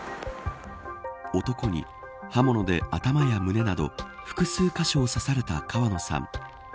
男に、刃物で頭や胸など複数カ所を刺された川野さん。